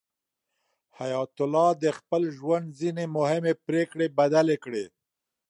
حیات الله د خپل ژوند ځینې مهمې پرېکړې بدلې کړې.